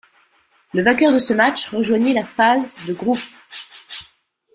Le vainqueur de ce match rejoignit la phase de groupes.